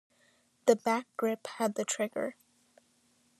The back grip had the trigger.